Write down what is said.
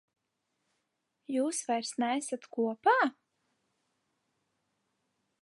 Jūs vairs neesat kopā?